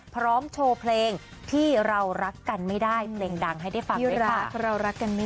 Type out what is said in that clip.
พร้อมโชว์เพลงที่เรารักกันไม่ได้เพลงดังให้ได้ฟังที่รักเรารักกันไม่ได้